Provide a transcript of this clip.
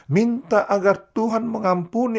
minta agar tuhan mengampuni